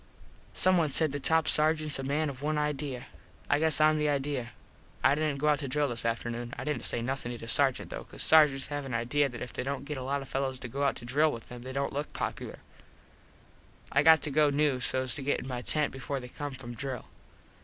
Someone said the top sargents a man of one idea. I guess Im the idea. I didnt go out to drill this afternoon. I didnt say nothin to the Sargent though cause sargents have an idea that if they dont get a lot of fellos to go out to drill with them they dont look popular. I got to go new sos to get in my tent before they come from drill.